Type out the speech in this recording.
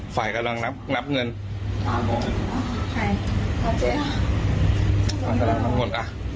ไฟล์กำลังนับเงิน